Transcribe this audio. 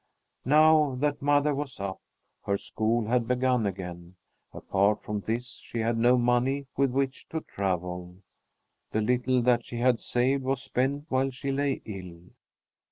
Now that mother was up, her school had begun again. Apart from this, she had no money with which to travel. The little that she had saved was spent while she lay ill.